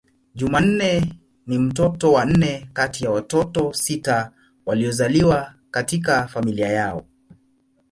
Jumanne ni mtoto wa nne kati ya watoto sita waliozaliwa katika familia yao.